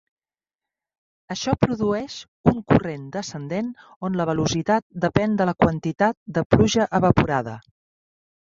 Això produeix un corrent descendent on la velocitat depèn de la quantitat de pluja evaporada.